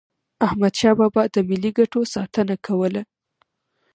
احمدشاه بابا به د ملي ګټو ساتنه کوله.